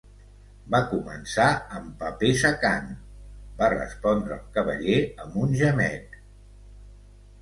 "Va començar amb paper secant", va respondre el Cavaller amb un gemec.